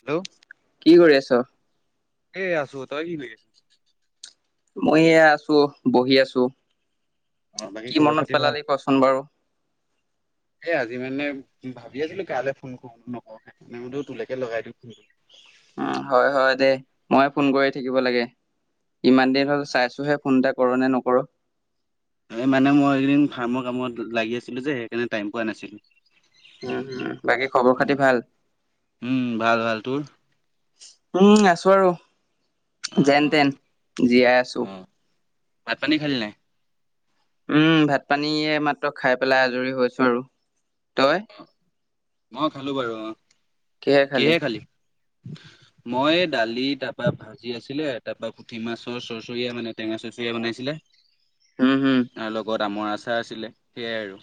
Hello কি কৰি আছ? এ আছোঁ। তই কি কৰি আছ? মই এয়া আছো, বহি আছো, অ বাকী কি খবৰ মনত খাতি ভাল? পেলালি, কচোন বাৰু? [inaudible] এয়া আজি মানে ভাবি আছিলো, কালে ফোন কৰো নকৰো, বোলো তোলেকে লগাই দিও ফোনটো। উম' হয় হয়, দে মই ফোন কৰি থাকিব লাগে। ইমান দিন হল, চাইছোঁহে ফোন এটা কৰ নে, নকৰ? এই মানে মই এইকিদিন ফাৰ্মৰ কামত লাগি আছিলোঁ যে, সেইকাৰণে টাইম পোৱা নাছিলোঁ। উম, উম, বাকী খবৰ খাতি ভাল? উম ভাল ভাল তোৰ? উম', আছোঁ আৰু অ অ। যেনতেন জীয়াই আছোঁ। ভাতঁ-পানী খালি নাই? উম' ভাত পানী এইমাত্ৰ খাই পেলাই, আজৰি হৈছোঁ, আৰু তই? মই খালো বাৰু, অ' কিহে খালি? মই দালি, তাৰপা ভাঁত ভাজি আছিলে, তাৰপা পুঠি মাছৰ চচৰীয়া, মানে টেঙা চৰচৰীয়া বনাইছিলে। হো' হো তাৰ লগত আমৰ আচাৰ আছিলে, সেয়াই আৰু।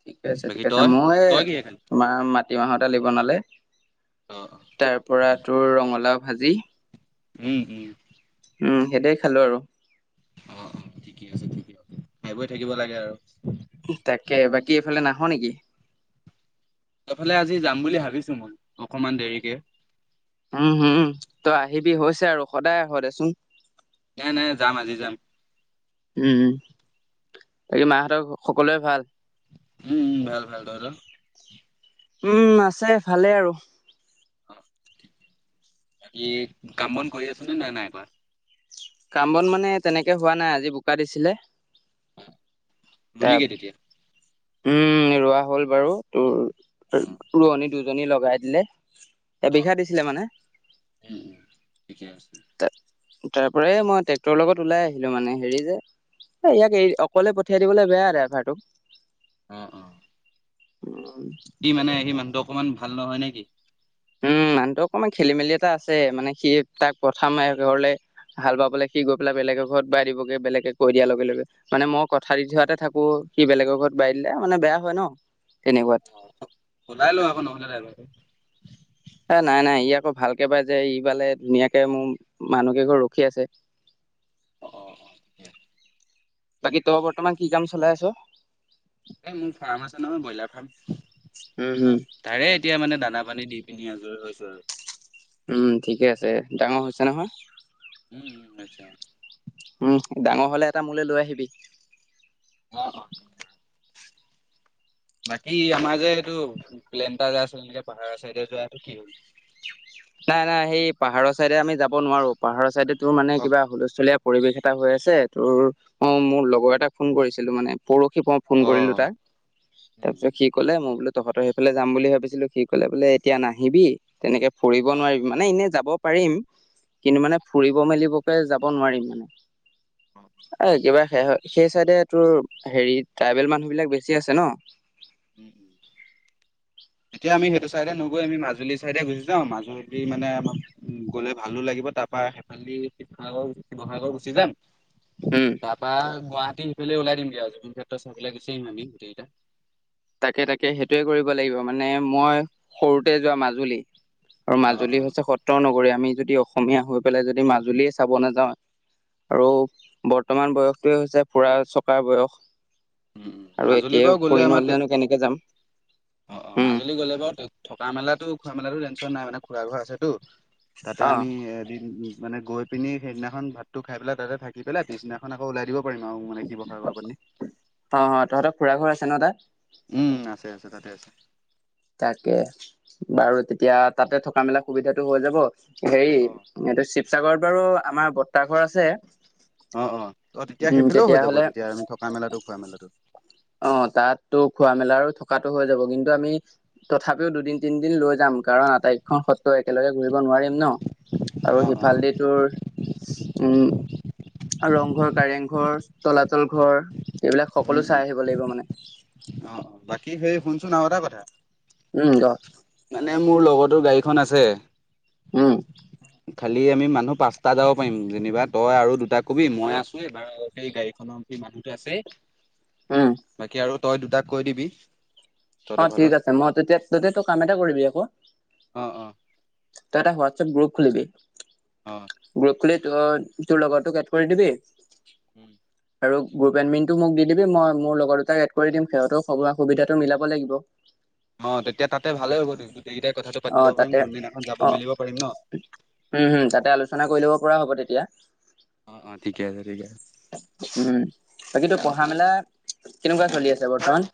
ঠিকে আছে, বাকী ঠিকে আছে, তই মই তই কিহে খালি? মা- মাঁটিমাহৰ দালি বনালে। অ' অ' তাৰ পৰাটোৰ ৰঙালাওঁ ভাঁজি। উম' উম' উম', সেইদৰেই খালোঁ আৰু। অ' অ' ঠিকে আছে, ঠিকে আছে, খাই-বই থাকিব লাগে আৰু। তাকে, বাকী এইফালে নাহ নেকি? তফালে আজি যাম বুলি ভাবিছো মই অকমান দেৰিকে। উম হম তই আহিবি হৈছে আৰু সদায় আহ দেচোন। নাই নাই যাম আজি যাম। উম বাকী মাহঁতৰ সকলোৱে ভাল!। উম ভাল ভাল আৰু। উম আছে ভালে আৰু। ই কাম বন কৰি আছো নে নাই নাই এবাৰ। কাম বন মানে তেনেকে হোৱা নাই আজি বোকা দিছে যে। [unintelligible] উম ৰোৱা হ'ল বাৰু তোৰ অ', ৰোৱনী দুজনী লগাই দিলে। এ অ', বিঘা দিছিলে মানে উম উম ঠিকে আছে ত। তাৰ পৰা মই ট্ৰেক্টৰৰ লগত ওলাই আহিলো মানে হেৰি যে। এ ইয়াক এই অকলে পঠিয়াই দিবলৈ বেয়া ড্ৰাইভাৰটোক। উম হম। [inaudible] কি মানে সি মানুহটো অকণমান ভাল নহয় নেকি?। মানহটো অকমান খেলি মেলি এটা আছে মানে সি তাক প্ৰথম ঘৰলে। হাল বাবলে সি গৈ পেলাই বেলেগে ঘৰত বাই দিবগ বেলেকে দিয়া লগে লগে। মানে মই কথা দি থোৱাতে থাকো সি বেলেগৰ ঘৰত বাই দিলে মানে বেয়া হয় ন তেনেকুৱাত। অ ওলাই লওঁ আকৌ নহ'লে ড্ৰাইভাৰটো। এ নাই নাই ই আকৌ ভালকে পায় যে ই বালে ধুনীয়াকে মোৰ মানুহ কেই ঘৰ ৰখি আছে। অ অ। বাকী তই বৰ্তমান কি কাম চলাই আছ। এই মোৰ ফাৰ্ম আছে নহয় ব্ৰইলাৰ ফাৰ্ম। উম, হম, তাৰে এতিয়া মানে দানা পানী দি পিনি আজৰি হৈছো আৰু। উম ঠিকে আছে ডাঙৰ হৈছে নহয়। উম আচ্ছা। উম ডাঙৰ হলে এটা মোলৈ লৈ আহিবি। অ। বাকী আমাৰ যে এইটো প্লেন এটা যাই আছিল নেক পাহাৰ চাইডে যোৱাটো কি হ'ল। নাই নাই সেই পাহাৰৰ চাইডে আমি যাব নোৱাৰো পাহাৰৰ চাইডে তোৰ মানে উম, কিবা হুলস্থলীয়া। পৰিৱেশ এটা হৈ আছে তোৰ অ মোৰ লগৰ এটাক ফোন কৰিছিলো মানে পৰহি। ফোন কৰিলোঁ তাক। [inaudible] তাৰ পিছত সি কলে মই বোলে তহঁতৰ সেইফালে যাম বুলি ভাবিছিলো সি কলে বোলে এতিয়া নাহিবি তেনেকে। ফুৰিব নোৱাৰিম মানে এনেই যাব পাৰিম কিন্তু মানে ফুৰিব মেলিবকে যাব নোৱাৰিম মানে। অ একেবাৰে হে হয়। সেই চাইডে তোৰ হেৰি ট্ৰাইবেল মানুহ বিলাক বেছি আছে ন। উ উ এতিয়া আমি সেইটো চাইডে নগৈ আমি মাজুলী চাইডে গুচি যাওঁ মাজুলী। মানে আমাক গ'লে ভালো লাগিব তাৰ পৰাৰা সেইফালি শিৱসাগৰ শিৱসাগৰ গুচি যাম। উম। বা গুৱাহাটী সিফালে ওলাই দিমগৈ আৰু জুিন কেত্ৰত চ পেলাই গুচ আহিম আম গোটেইকেইটা। তাকে তাকে সেইটোৱে কৰিব লাগিব। মানে মই সৰুতে যোৱা মাজুলী। আৰু অ', মাজুলী অ', হৈছে সত্ৰ নগৰী আমি যদি অসমীয়া হৈ পেলাই যদি মাজুলীয়ে চাব নাযাওঁ। আৰু বৰ্তমান বয়সটোৱে হৈছে ফুৰা চকাৰ বয়স। উম, উম, আৰু মাজুলী এতিয়া বাৰু গ'লে ফুৰি আমাৰ তে নহ'লেনো কেনেকে যাম? অ', অ', হম। মাজুলী গ'লে বাৰু থকা মেলাতো খোৱা মেলাতো টেনশ্যন নাই, মানে খুৰা ঘুৰা আছে টো। তাতে অ অ আমি এদিন মানে গৈ এইপিনি সেইদিনাখন ভাতটো খাই পেলাই তাতে থাকি পেলাই, পিছদিনাখনকৌ ওলাই দিবাৰিম আৰু মানে শিৱসাৰ [unintelligible] অ তহতৰ খুৰা ঘৰ আছে ন তাত? উম আছে আছে তাতে আছে। তাকে। বাৰু তেতিয়া তাতে থকা মেলা সুবিধাটো হৈ যাব। হেৰি অ', এইটো শিৱসাগৰত বাৰু আমাৰ বৰ্তাঘৰ আছে। অ অ ত তেতিয়া উম সেইফালেও হৈ যাব তেতিয়াহ'লে তেতিয়া আমি থকা মেলাতো খোৱা মেলাতো। অ তাতো খোৱা মেলা থকাতটো হৈ যাব কিন্তু আমি তথাপিও দুদিন তিনিদিন লৈ যাম কাৰণ আটাইকখন ত একেলগে ঘুৰিব নোৱাৰিম ন। আৰু অ', অ', সিফাল দি তোৰ উম আৰু ৰংঘৰ কাৰেং ঘৰ, তলাতল ঘৰ, এইবিলাক উম, সকলো উম, চাই আহিব লাগিব মানে। অ বাকী সেই শুনচোন আৰু এটা কথা উম ক মানে মোৰ লগৰতো গাড়ীখন আছে। উম। খালি আমি মানুহ পাঁচটা যাব পাৰিম। যেনিবা তই আৰু দুটা কবি মই আছো এইবাৰ সেই গাড়ীখনৰ সেই মানুহতো আছে। উম। বাকী আৰু তই দুটাক কৈ দিবি। অ তহঁতৰ ঠিক ফালৰ। আছে। মই তেতিয়া তেতিয়া তই কাম এটা কৰিবি আকৌ। অ অ। তই এটা হোৱাটছএপ গ্ৰুপ খুলিবি, অ', গ্ৰুপ খুলি ত তোৰ লগৰ তোক কেট কৰি দিবি, উম। আৰু গ্ৰুপ এণ্টমিনটো মোক দি দিবি, মই মোৰ লগৰ দুটাক এড কৰি দিম সিহঁতেও স সুবিধাটো মিলাব লাগিব। অ তেতিয়া তাতে ভালে হ'ব গোটেইকেইটাই কথাটো পাতি অ ল'ব তাতে পাৰিম কোনদিনাখন যাব অ মেলিব পাৰিম ন। উম হুম তাতে আলোচনা কৰি ল'ব পৰা হ'ব তেতিয়া। অ অ ঠিকে আছে, ঠিক আছে। উম বাকীতো পঢ়া-মেলা কেনেকুৱা চলি আছে বৰ্তমান?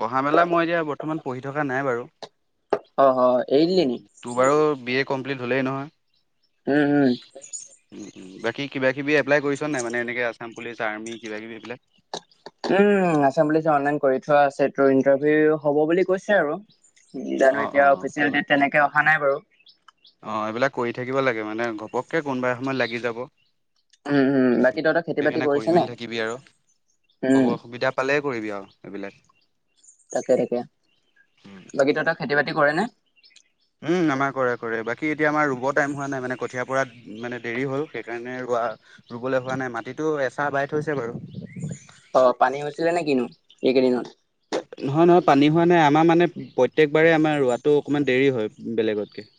পঢ়া-মেলা মই এতিয়া বৰ্তমান পঢ়ি থকা নাই বাৰু। অ অ এৰি দিলি নি তোৰ বাৰু বি এ কমপ্লিট হ'লেই উম উম নহয়। বাকী কিবাকিবি এপ্লাই কৰিছ নাই, মানে এনেকৈ আছাম পুলিচ, আৰ্মি কিবা কিবি এইবিলাক? উম আছাম পুলিচ অনলাইন কৰি থোৱা আছে, তোৰ ইণ্টাৰভিউ হ'ব বুলি কৈছে আৰু। অ জানো অ এতিয়া কৰিব অফিচিয়েল তেনেকে অহা নাই বাৰু। অ এইবিলাক কৰি থাকিব লাগে মানে ঘপককে কোনোবা এ সময়ত লাগি যাব। উম উম বাকী তহঁতৰ খেতি বাতি সেইকাৰণে কৰিছে কৰি নে? মেলি থাকিবি আৰু। উম খবৰ অসুবিধা পালে কৰিবি আৰু এইবিলাক। তাকে তাকে বাকী তহঁতৰ খেতি বাতি কৰে নে? উম আমাৰ কৰে কৰে। বাকী এতিয়া আমাৰ ৰুব টাইম হোৱা নাই মানে কঠিয় পৰাত মানে দেৰি হ'ল। সেইকাৰণে ৰোৱা ৰুবলৈ হোৱা নাই মাটিতটো এচাহ বাই থৈছে বাৰু। অ পানী হৈছিলে নে কিনো এইকেইদিনত? নহয় নহয় পানী হোৱা নাই আমাৰ মানে প্ৰত্যেকবাৰেই আমাৰ ৰোৱাটো অকমান দেৰি হয় বেলেগতকে। [inaudible]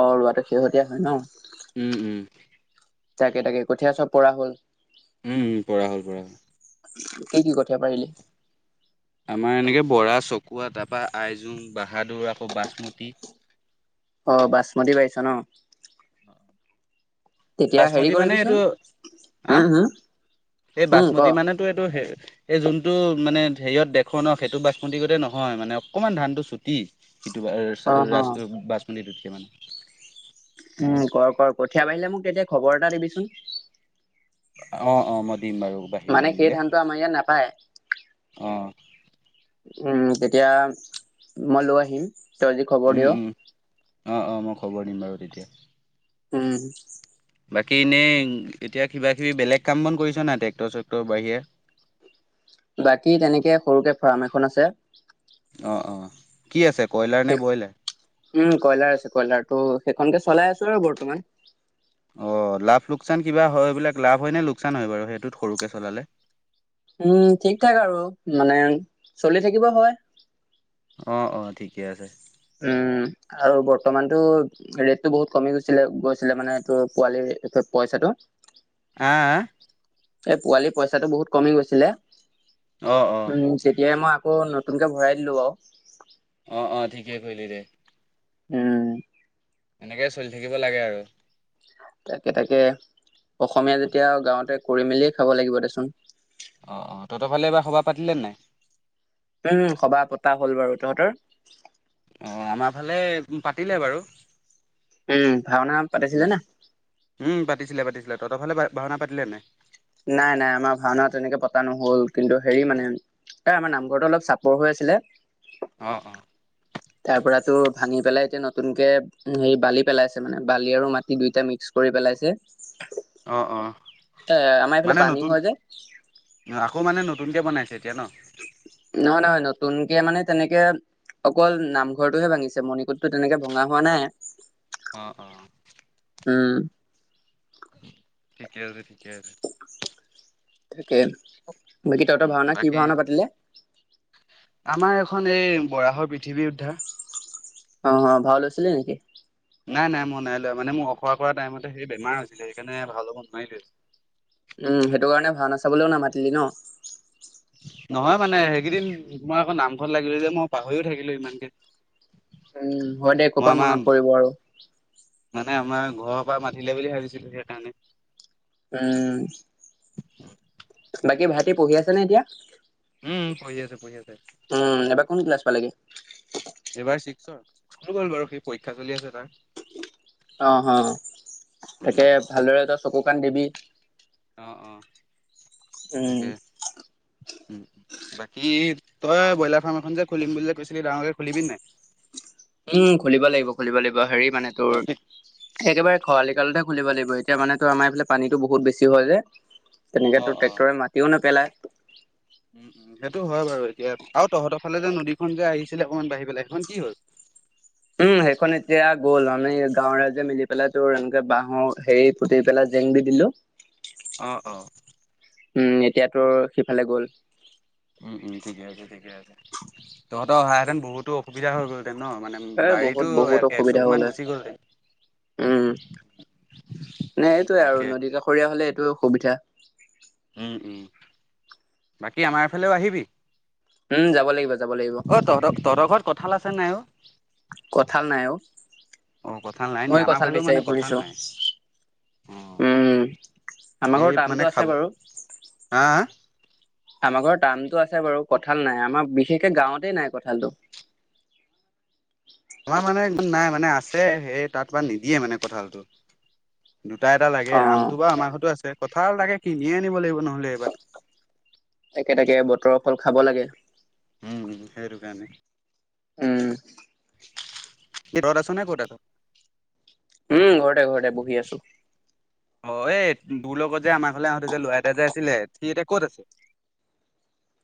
অ' ৰুৱাটো শেহতীয়া হয় ন। উম উম' তাকে তাকে, কঠীয়া চব পৰা হ'ল। উম উম' পৰা হ'ল পৰা হ'ল। কি কি কঠীয়া পাৰিলি? আমাৰ এনেকে বৰা চকোৱা তাপা আইজোং বাহাদোৰ আকৌ বাচমতি। অ' বাচমতী পাৰিছ ন। অঁ' তেতিয়া হেৰি বাচমতি মানে কৰিবিচোন এইটো আঁ উম হম এই উম ক বাচমতি মানেটো এইটো হে- এই যোনটো মানে হেৰিয়ত দেখোঁ ন সেইটো বাচমতি গতে নহয় মানে অকমান ধানটো চুটি। ইটো বাই অ হ ৰাছ বাচমতিটোতকে মানে। উম' কৰ কৰ কঠিয়া বাৰিলে মোক তেতিয়া খবৰ এটা দিবিচোন। অঁ অঁ' মই দিম বাৰু বাহিলে মানে সেই মেলিলে। ধানটো আমাৰ ইয়াত নাপায় অঁ' উম' তেতিয়া মই লৈ আহিম, তই যদি খবৰ দিয়। অঁ অঁ মই খবৰ দিম বাৰু তেতিয়া। উম' বাকী এনেই এতিয়া কিবা কিবি বেলেগ কাম বন কৰিছ নাই ট্ৰেক্টৰ চেক্টৰ বাহিৰে। বাকী তেনেকে সৰুকে ফাৰ্ম এখন আছে। অঁ অঁ কি আছে কয়লাৰ নে ব্ৰইলাৰ? উম' কয়লাৰ আছে কয়লাৰ তো সেইখনকে চলাই আছো আৰু বৰ্তমান। অ' লাভ লোকচান কিবা হয় বোলে। লাভ হয় নে লোকচান হয় বাৰু সেইটোত সৰুকে চলালে। উম' ঠিক ঠাক আৰু মানে চলি থাকিব হয়। অঁ অঁ' ঠিকে আছে। উম' আৰু বৰ্তমানটো- ৰেটটো বহুত কমি গৈছিলে গৈছিলে মানে এইটো পোৱালিৰ এটো পইচাটো। আঁ আঁ। এই পোৱালি পইচাটো বহুত কমি গৈছিলে। অ অ উম' তেতিয়াই মই- কৌ নতুনকে ভৰাই দিলোঁ বাউ। অঁ অঁ ঠিকেই কৈলি দে। উম' এনেকে চলি থাকিব লাগে আৰু। তাকে তাকে, অসমীয়া যেতিয়া আও গাঁৱতে কৰি মেলিয়ে খাব লাগিব দেচোন। অঁ অঁ তহঁতৰ ফালে এইবাৰ সবাহ পাতিলেনে নাই। উম' সবাহ পতা হ'ল বাৰু তহঁতৰ। অঁ আমাৰ ফালে পাতিলে বাৰু। উম' ভাওনা পাতিছিলে উম না। উম' পাতিছিলে পাতিছিলে। তহতৰফালে ভাওনা পাতিলে নে নাই? নাই নাই আমাৰ ভাওনা তেনেকে পতা নহ'ল, কিন্তু হেৰি মানে- এ আমাৰ নামঘৰটো অলপ চাপৰ হৈ আছিলে- অঁ অঁ' তাৰ পৰাতো ভাঙি পেলাই এতিয়া নতুনকে- উম' এই বালি পেলাইছে মানে, বালি আৰু মাটি দুইটা মিক্স কৰি পেলাইছে। অঁ অঁ এ আমাৰ এইফালে মানে পানী হয় নতুন- যে আকৌ মানে নতুনকে বনাইছে এতিয়া ন নহয় নহয় নতুনকে মানে তেনেকে অকল নামঘৰটোহে ভাঙিছে মণিকুটতো তেনেকে ভঙা হোৱা নাই অ অ উম ঠিকে আছে ঠিকে আছে তাকে বাকী তহঁতৰ ভাওনা কি বাকী ভাওনা পাতিলে আমাৰ এখন এই বৰাহৰ পৃথিৱী উদ্ধাৰ অ, অ ভাও লৈছিলি নেকি নাই নাই মই নাই লোৱা মানে মোৰ অখৰা কৰা টাইমতে সেই বেমাৰ হৈছিলে সেইকাৰণে ভাও লব নোৱাৰিলোৱে উম সেইটো কাৰণে ভাওনা চাবলৈয়ো নামাতিলি ন নহয় মানে সেইকেইদিন তোমাৰ আকৌ নামঘৰত লাগিলোঁ যে মই পাহৰিও থাকিলোঁ ইমানকে উম, হয় দে মই ক'পা আমাৰ মনত পৰিব আৰু মানে আমাৰ ঘৰৰ পৰা মাতিলে বুলি ভাবিছিলো সেইকাৰণে উম বাকী ভাইটি পঢ়ি আছেনে এতিয়া উম পঢ়ি আছে পঢ়ি আছে উম এবাৰ কোন ক্লাছ পালেগে এইবাৰ ছিক্সত স্কুল গ'ল বাৰু সি পৰীক্ষা চলি আছে তাৰ অ হ তাকে ভালদৰে তই চকু কাণ দিবি অ অ উম, তাকে উম বাকী তই ব্ৰইলাৰ ফাৰ্ম এখন যে খুলিম বুলি কৈছিলি ডাঙৰকে খুলিবি নাই উম খুলিব লাগিব খুলিব লাগিব হেৰি মানে তোৰ একেবাৰে খৰালি কালতহে খুলিব লাগিব এতিয়া মানে আমাৰফালে পানীটো বহুত বেছি হয় যে তেনেকেতো অ', অ'। ট্ৰেক্টৰে মাটিও নেপেলায় উম উম সেইটো হয় বাৰু এতিয়া আৰু তহঁতৰ ফালে যে নদীখন যে আহিছিলে অকমান বাঢ়ি পেলাই সেইখন কি হল উম সেইখন এতিয়া গ'ল মানে গাঁৱৰ ৰাইজে মিলি পেলাই তোৰ এনেকে বাঁহৰ হেৰি পোটি পেলাই জেং দি দিলো অ অ উম এতিয়া তোৰ সিফালে গ'ল উম উম ঠিকে আছে ঠিকে আছে তহঁতৰ অহা হেতেন বহুতো অসুবিধা হৈ গ'লহঁতেন ন মানে এ বহুত বাৰীতো বহুত অসুবিধা এচুক মান হ'লে গুচি উম মানে এইটোয়ে আৰু গ'লহেঁতেন। নদী কাষৰীয়া হ'লে এইটোৱে সুবিধা উম উম বাকী আমাৰফালেও আহিবি উম, যাব লাগিব যাব লাগিব অ তহত তহতৰ ঘৰত কঁঠাল আছে নাই অ কঠাল নাই অ অ কঁঠাল নাই নি মই আমাৰ কঠাল ফালেও মানে বিচাৰি কঁঠাল ফুৰিছো নাই অ। উম আমাৰ এই ঘৰত মানে টামটো খাব আছে বাৰু হা হা আমাৰ ঘৰত টামতো আছে বাৰু কঁঠাল নাই আমাৰ বিশেষকে গাঁৱতেই নাই কঁঠালটো আমাৰ মানে নাই মানে আছে সেই তাত মানে নিদিয়ে মানে কঁঠালটো দুটা এটা লাগে অ আমটো বাৰু আমাৰ ঘৰতো আছে কঁঠাল তাকে কিনিয়ে আনিব লাগিব নহ'লে এইবাৰ তাকে তাকে বতৰৰ ফল খাব লাগে উম সেইটো কাৰণে উম এতিয়া ঘৰত আছ নে কত আছ উম ঘৰতে ঘৰতে বহি আছো [unintelligible] মই এই তোৰ লগত যে আমাৰ ঘলে আহোঁতে যে ল'ৰা এটা যে আছিলে সি এতিয়া ক'ত আছে।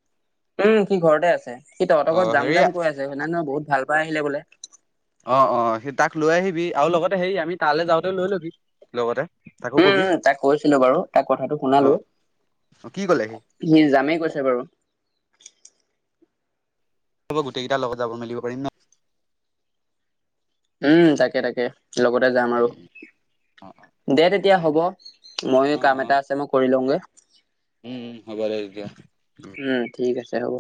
[unintelligible] উমঁ সি ঘৰতে আছে সি তহতৰ ঘত অ' যাম হেৰি যাম কৈ আছে হয়নে নহয় বহুত ভাল পাই আহিলে বোলে। অঁ অঁ সি তাক লৈ আহিবি আৰু লগতে হেৰি আমি তালৈ যাওঁতেও লৈ ল'বি লগতে। তাকো উমঁ কবি উমঁ তাক কৈছিলো বাৰু তাক কথাটো অ' শুনালোঁ। অ কি ক'লে সি যামেই কৈছে বাৰু। হ'ব গোটেইকেটা লগত যাব মেলিব পাৰি ন। উমঁ তাকে তাকে লগতে যাম আৰু। অ' দে তেতিয়া হ'ব ময়ো অ' কাম এটা আছে মই কৰি লওঁগে। উমঁ হ'ব দে তেতিয়া। উমঁ ঠিক আছে হ'ব।